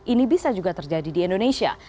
ini bisa juga terjadi di indonesia